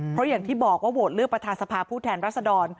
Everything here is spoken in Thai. เพราะอย่างที่บอกว่าโหวตเลือกประธานสภาพผู้แทนรัศดร